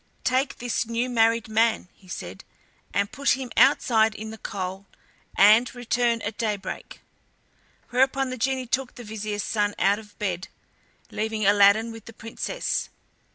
"Take this new married man," he said, "and put him outside in the cold, and return at daybreak." Whereupon the genie took the vizier's son out of bed, leaving Aladdin with the Princess.